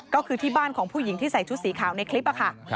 ก็คือที่บ้านของผู้หญิงที่ใส่ชุดสีขาวในคลิปค่ะ